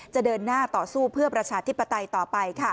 เดินหน้าต่อสู้เพื่อประชาธิปไตยต่อไป